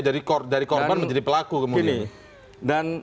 dari korban menjadi pelaku kemudian